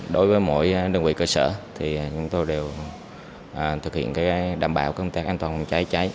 đối với mỗi đơn vị cơ sở thì chúng tôi đều thực hiện đảm bảo công tác an toàn phòng cháy cháy